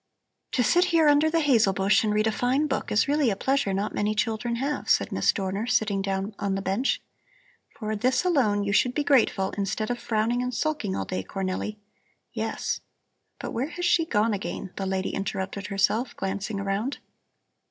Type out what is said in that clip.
"To sit here under the hazel bush and read a fine book is really a pleasure not many children have," said Miss Dorner, sitting down on the bench. "For this alone you should be grateful, instead of frowning and sulking all day, Cornelli yes! But where has she gone again?" the lady interrupted herself, glancing around.